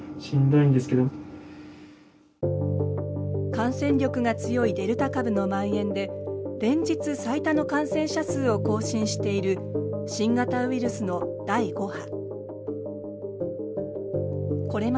感染力が強いデルタ株のまん延で連日最多の感染者数を更新している新型ウイルスの第５波。